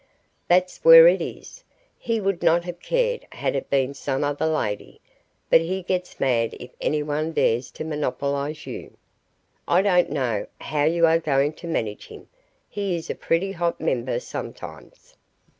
"That's where it is. He would not have cared had it been some other lady, but he gets mad if any one dares to monopolize you. I don't know how you are going to manage him. He is a pretty hot member sometimes."